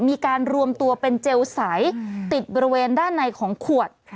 มีการรวมตัวเป็นเจลใสติดบริเวณด้านในของขวด